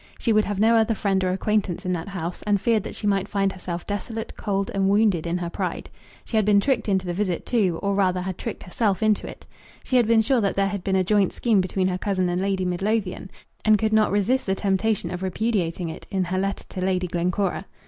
She would have no other friend or acquaintance in that house, and feared that she might find herself desolate, cold, and wounded in her pride. She had been tricked into the visit, too, or rather had tricked herself into it. She had been sure that there had been a joint scheme between her cousin and Lady Midlothian, and could not resist the temptation of repudiating it in her letter to Lady Glencora.